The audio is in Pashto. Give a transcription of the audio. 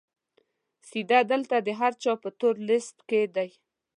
سید دلته د هر چا په تور لیست کې دی.